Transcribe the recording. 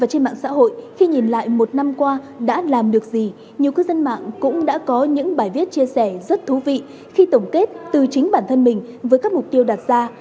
trên mạng xã hội khi nhìn lại một năm qua đã làm được gì nhiều cư dân mạng cũng đã có những bài viết chia sẻ rất thú vị khi tổng kết từ chính bản thân mình với các mục tiêu đặt ra